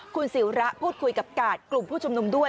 คุณศิวระพูดคุยกับกาดกลุ่มผู้ชุมนุมด้วย